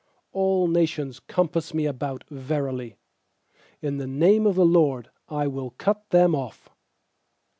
10A11 nations compass me about, Verily, in the name of the LORD I will cut them off.